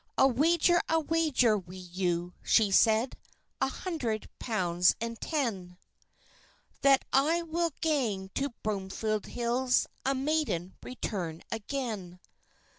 "I'll wager a wager wi' you," she said, "A hundred pounds and ten, That I will gang to Broomfield Hills, A maiden return again."